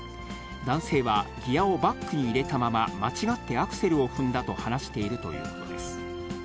男性はギアをバックに入れたまま、間違ってアクセルを踏んだと話しているということです。